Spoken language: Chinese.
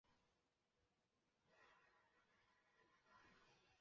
鼹形田鼠属等数种哺乳动物。